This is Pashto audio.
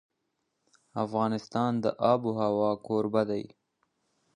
افغانستان د آب وهوا کوربه دی.